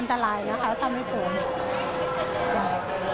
อันตรายนะคะทำให้ตรวจ